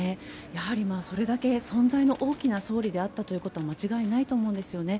やはりそれだけ存在の大きな総理であったことは間違いないと思うんですよね。